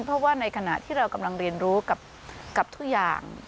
เพราะว่าในขณะที่เรากำลังเรียนรู้กับทุกอย่าง